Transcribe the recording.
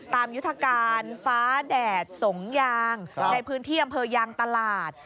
ยุทธการฟ้าแดดสงยางในพื้นที่อำเภอยางตลาด